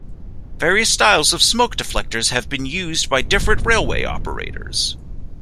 Various styles of smoke deflectors have been used by different railway operators.